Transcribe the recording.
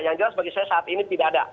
yang jelas bagi saya saat ini tidak ada